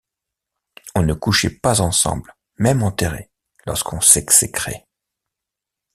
On ne couchait pas ensemble, même enterré, lorsqu’on s’exécrait.